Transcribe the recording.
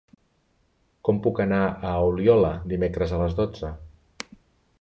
Com puc anar a Oliola dimecres a les dotze?